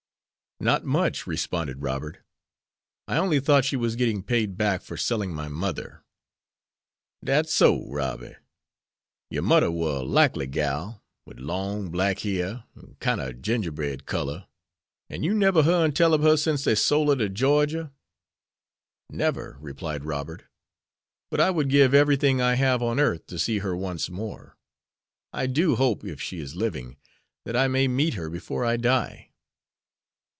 "Not much," responded Robert. "I only thought she was getting paid back for selling my mother." "Dat's so, Robby! yore mudder war a likely gal, wid long black hair, an' kine ob ginger bread color. An' you neber hearn tell ob her sence dey sole her to Georgia?" "Never," replied Robert, "but I would give everything I have on earth to see her once more. I do hope, if she is living, that I may meet her before I die."